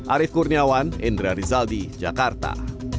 arief kurniawan endra rizaldi jakarta